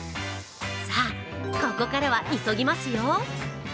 さあ、ここからは急ぎますよ。